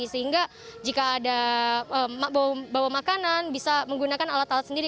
sehingga jika ada bawa makanan bisa menggunakan alat alat sendiri